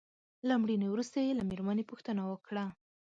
له مړینې وروسته يې له مېرمنې پوښتنه وکړه.